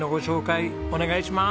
お願いします！